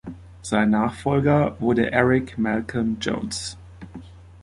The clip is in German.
Sein Nachfolger wurde Eric Malcolm Jones.